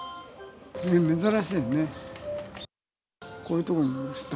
珍しいよね。